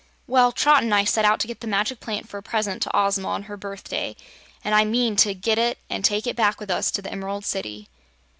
"Well, Trot an' I set out to get the magic plant for a present to Ozma on her birthday, and I mean to get it an' take it back with us to the Emerald City."